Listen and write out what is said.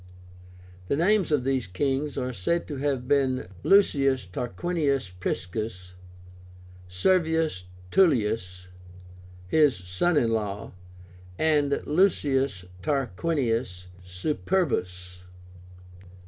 The names of these kings are said to have been LUCIUS TARQUINIUS PRISCUS, SERVIUS TULLIUS, his son in law, and LUCIUS TARQUINIUS SUPERBUS.